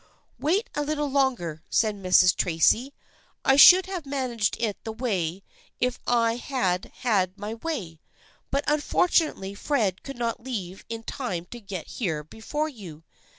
" Wait a little longer," said Mrs. Tracy. " I should have managed it that way if I had had my way, but unfortunately Fred could not leave in time to get here before you.